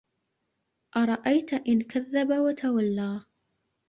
أَرَأَيتَ إِن كَذَّبَ وَتَوَلّى